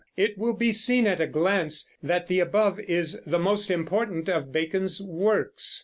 It will be seen at a glance that the above is the most important of Bacon's works.